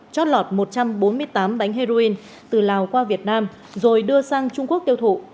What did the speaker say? chót lọt một trăm bốn mươi tám bánh heroin từ lào qua việt nam rồi đưa sang trung quốc tiêu thụ